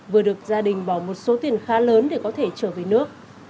vừa được gia đình bỏ một số tiền khá lớn để có thể trở về nước